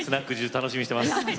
楽しみにしてます。